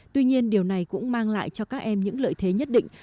tuy nhiên điều này cũng mang lại cho các em những lợi thế nhất định